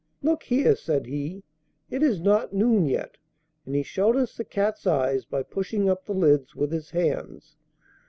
'Look here,' said he, 'it is not noon yet;' and he showed us the cat's eyes by pushing up the lids with his hands.